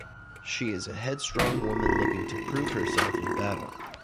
She is a headstrong woman looking to prove herself in battle.